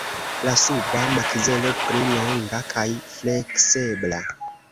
La suba makzelo pli longa kaj fleksebla.